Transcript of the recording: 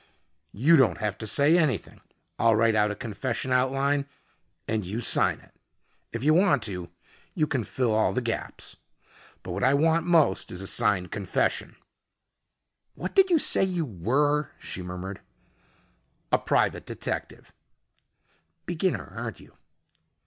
"You don't have to say anything. I'll write out a confession outline and you sign it. If you want to, you can fill all the gaps. But what I want most is a signed confession " "What did you say you were?" she murmured. "A private detective." "Beginner, aren't you?"